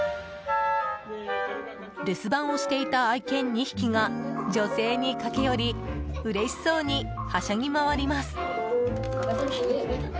留守番をしていた愛犬２匹が女性に駆け寄りうれしそうに、はしゃぎ回ります。